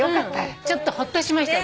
ちょっとほっとしました。